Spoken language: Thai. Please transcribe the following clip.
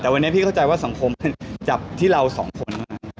แต่วันนี้พี่เข้าใจว่าสังคมจับที่เราสองคน